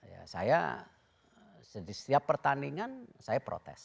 ya saya di setiap pertandingan saya protes